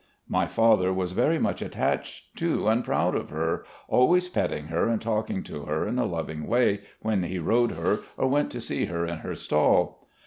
My father was very much attached to and proud of her, always petting her and talking to her in a loving way, when he rode her or went to see her in her stall.